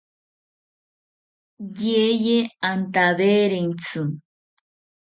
Yeye antawerentzi